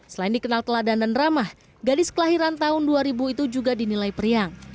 selain dikenal teladan dan ramah gadis kelahiran tahun dua ribu itu juga dinilai periang